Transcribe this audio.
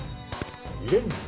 入れんな。